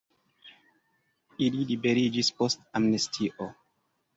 Ili liberiĝis post amnestio.